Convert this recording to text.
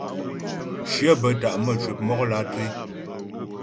Shyə bə́ ta' nə́ mcwəp mɔk lǎtré.